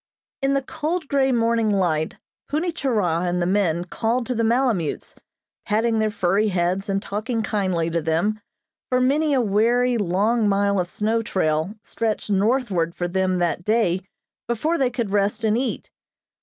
In the cold grey morning light Punni Churah and the men called to the malemutes, patting their furry heads and talking kindly to them, for many a weary, long mile of snow trail stretched northward for them that day before they could rest and eat.